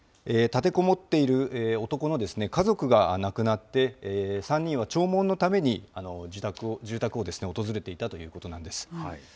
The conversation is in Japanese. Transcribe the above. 立てこもっている男の家族が亡くなって、３人は弔問のために、住宅を訪れていたということなんです。